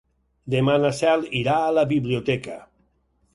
Demà na Cel irà a la biblioteca.